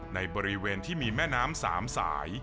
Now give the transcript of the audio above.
ในบริเวณที่มีแม่น้ำ๓สาย